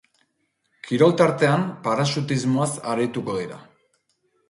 Kirol tartean paraxutismoaz arituko dira.